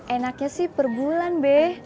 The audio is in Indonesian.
enaknya sih perbulan be